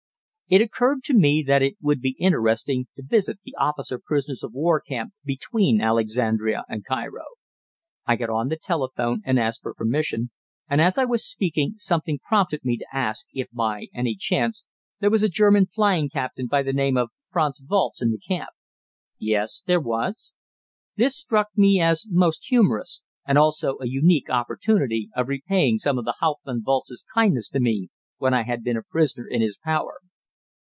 It occurred to me that it would be interesting to visit the officer prisoners of war camp between Alexandria and Cairo. I got on the telephone and asked for permission, and as I was speaking something prompted me to ask if by any chance there was a German flying captain by name of Franz Walz in the camp. Yes, there was. This struck me as most humorous, and also a unique opportunity of repaying some of Hauptmann Walz's kindness to me when I had been a prisoner in his power.